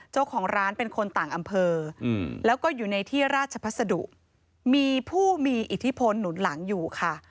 เจ้าของร้านเป็นคนต่างอำเภอแล้วก็อยู่ในที่ราชพัสดุมีผู้มีอิทธิพลหนุนหลังอยู่ค่ะ